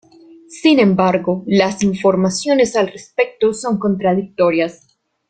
Sin embargo las informaciones al respecto son contradictorias.